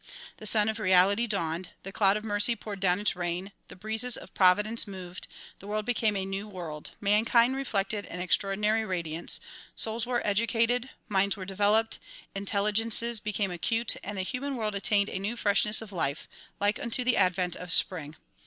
The Sun of Reality dawned, the cloud of mercy poured down its rain, the breezes of providence moved, the world became a new world, mankind reflected an extraordinary radiance, souls were educated, minds were developed, intelligences became acute and the human world attained a new freshness of life, like unto the advent of spring.